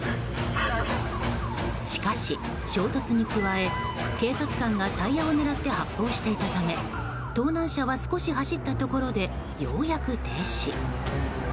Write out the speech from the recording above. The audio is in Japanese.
しかし衝突に加え、警察官がタイヤを狙って発砲していたため盗難車は少し走ったところでようやく停止。